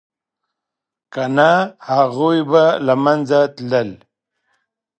که نه نو هغوی به له منځه تلل